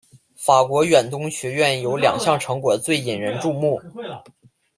法国远东学院有两项成果最引人注目。